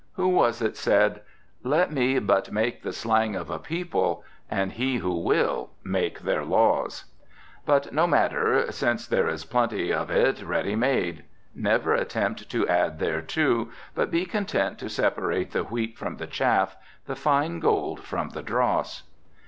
Who was it said, "Let me but make the slang of a people, and he who will make their laws?" But no matter; since there is plenty of it ready made. Never attempt to add thereto, but be content to separate the wheat from the chaff, the fine gold from the dross.